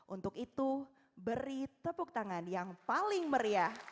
untuk itu beri tepuk tangan yang paling meriah